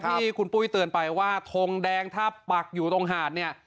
ที่คุณปุ้ยเตือนไปว่าทงแดงถ้าปักอยู่ตรงหาดเนี่ย